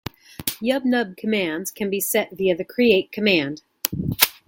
YubNub commands can be set via the create command.